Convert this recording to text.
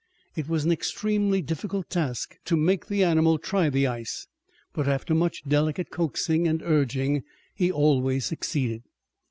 It was an extremely difficult task to make the animal try the ice, but after much delicate coaxing and urging he always succeeded.